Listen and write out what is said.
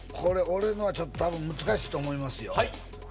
俺のはちょっと多分難しいと思いますよ